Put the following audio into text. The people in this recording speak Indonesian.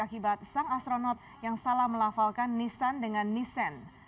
akibat sang astronot yang salah melafalkan nissan dengan nissan